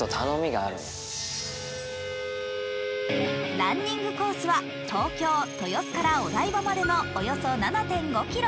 ランニングコースは東京・豊洲からお台場までのおよそ７．５ｋｍ。